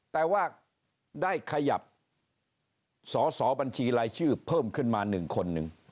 แต่ว่าได้ขยับสอสอบัญชีรายชื่อเพิ่มขึ้นมา๑คนหนึ่ง